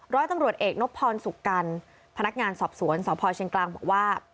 ร้อยตำรวจเอกนพรสุกกันพนักงานสอบสวนสพเชียงกลางบอกว่า